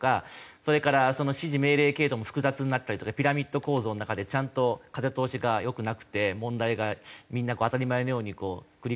それから指示命令系統も複雑になったりとかピラミッド構造の中でちゃんと風通しが良くなくて問題がみんな当たり前のように繰り返してしまうとか。